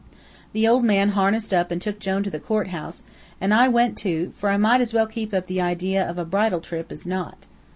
"The old man harnessed up an' took Jone to the court house, an' I went too, for I might as well keep up the idea of a bridal trip as not.